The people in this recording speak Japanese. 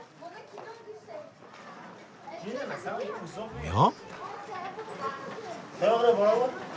おや？